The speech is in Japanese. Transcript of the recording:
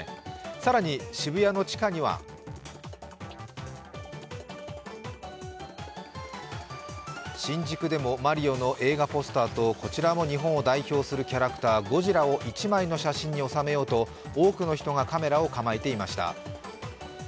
更に渋谷の地下には新宿でもマリオの映画ポスターとこちらも日本を代表するキャラクター、ゴジラを一枚の写真に収めようと多くの人がカメラを構えていました。